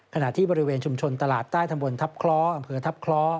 ขณะที่บริเวณชุมชนตลาดใต้ตำบลทัพคล้ออำเภอทัพคล้อ